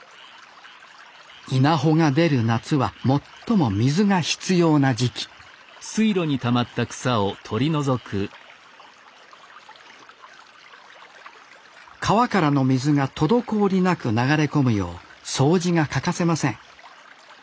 稲穂が出る夏は最も水が必要な時期川からの水が滞りなく流れ込むよう掃除が欠かせません